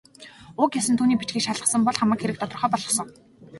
Уг ёс нь түүний бичгийг шалгасан бол хамаг хэрэг тодорхой болохсон.